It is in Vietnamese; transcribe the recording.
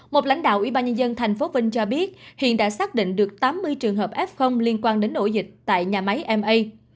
một lãnh đạo ủy ban nhân dân tp vinh cho biết hiện đã xác định được tám mươi trường hợp f liên quan đến ổ dịch tại nhà máy ma